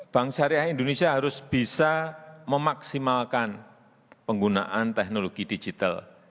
bank syariah indonesia harus bisa memaksimalkan penggunaan teknologi digital